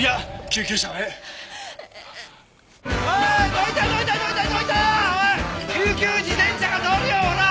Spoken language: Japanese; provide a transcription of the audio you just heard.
救急自転車が通るよほら！